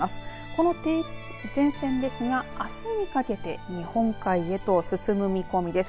この前線ですが、あすにかけて日本海へと進む見込みです。